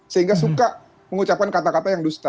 sehingga suka mengucapkan kata kata yang dusta